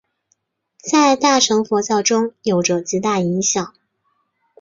在大乘佛教中有着极大影响。